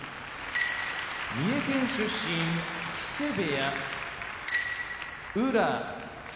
三重県出身木瀬部屋宇良